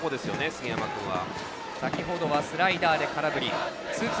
杉山君は。